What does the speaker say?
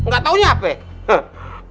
gak taunya apa ya